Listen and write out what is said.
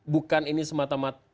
bukan ini semata mata